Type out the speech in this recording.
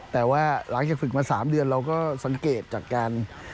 แต่ว่าหลังจากฝึกมา๓เดือนเราก็สังเกตจากการ